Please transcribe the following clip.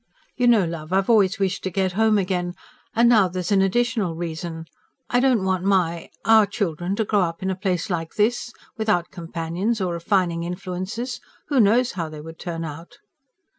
"You know, love, I've always wished to get home again. And now there's an additional reason. I don't want my ... our children to grow up in a place like this. Without companions or refining influences. Who knows how they would turn out?"